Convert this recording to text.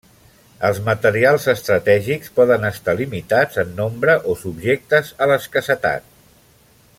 Els materials estratègics poden estar limitats en nombre o subjectes a l'escassetat.